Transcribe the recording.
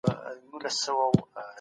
پوليس د امنيت ساتونکي دي.